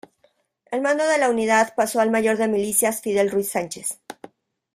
El mando de la unidad pasó al mayor de milicias Fidel Ruiz Sánchez.